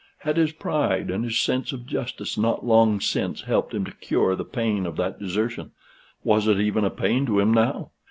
Had his pride and his sense of justice not long since helped him to cure the pain of that desertion was it even a pain to him now?